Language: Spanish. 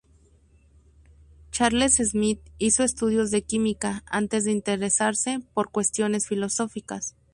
Charles Schmitt hizo estudios de química, antes de interesarse por cuestiones filosóficas.